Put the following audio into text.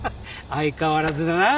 相変わらずだなぁ。